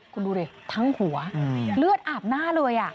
คุณดูดิทั้งหัวเลือดอาบหน้าเลย